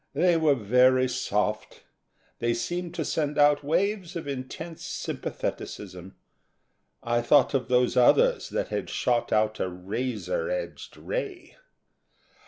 They were very soft. They seemed to send out waves of intense sympatheticism. I thought of those others that had shot out a razor edged ray.